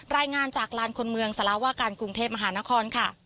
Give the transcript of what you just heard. รายงานจากลานคนเมืองสารวาการกรุงเทพมหานครค่ะ